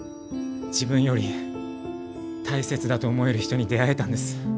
自分より大切だと思える人に出会えたんです。